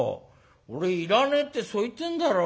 俺いらねえってそう言ってんだろ。